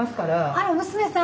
あら娘さん？